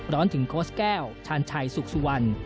ร้อนถึงโค้ชแก้วชาญชัยสุขสุวรรณ